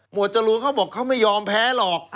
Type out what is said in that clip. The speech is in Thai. จรูนเขาบอกเขาไม่ยอมแพ้หรอก